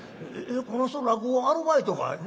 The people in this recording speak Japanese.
「この人落語アルバイトかい？」。